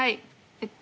えっと